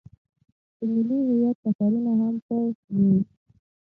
د ملي هویت ټکرونه هم په ويني.